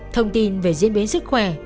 thông tin về diễn biến sức khỏe